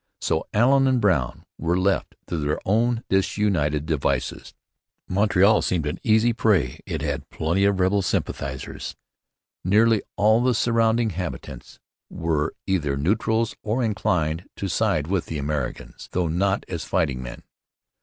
So Allen and Brown were left to their own disunited devices. Montreal seemed an easy prey. It had plenty of rebel sympathizers. Nearly all the surrounding habitants were either neutrals or inclined to side with the Americans, though not as fighting men.